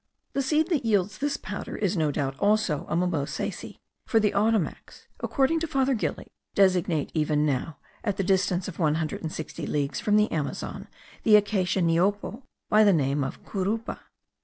The seed that yields this powder is no doubt also a mimosacea; for the Ottomacs, according to Father Gili, designate even now, at the distance of one hundred and sixty leagues from the Amazon, the Acacia niopo by the name of curupa.